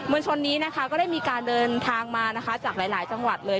ลชนนี้นะคะก็ได้มีการเดินทางมานะคะจากหลายจังหวัดเลย